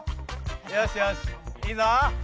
よしよしいいぞ！